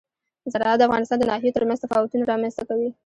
زراعت د افغانستان د ناحیو ترمنځ تفاوتونه رامنځ ته کوي.